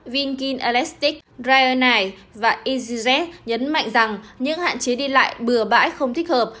viking elastic ryanair và easyjet nhấn mạnh rằng những hạn chế đi lại bừa bãi không thích hợp